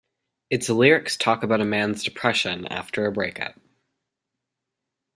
Its lyrics talk about a man's depression after a break-up.